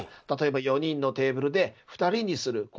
例えば４人のテーブルで２人にする。